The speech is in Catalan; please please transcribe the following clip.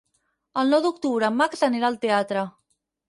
El nou d'octubre en Max anirà al teatre.